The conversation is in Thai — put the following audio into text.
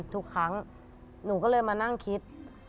ทุกครั้งหนูก็เลยมานั่งคิด